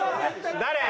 誰？